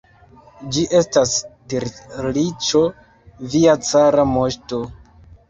Ĝi estas tirliĉo, via cara moŝto!